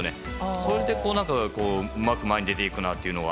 それでうまく前に出ていくなというのが。